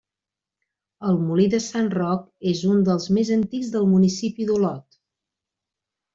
El molí de Sant Roc és un dels més antics del municipi d'Olot.